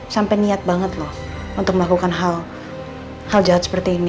sampai niat banget loh untuk melakukan hal jahat seperti ini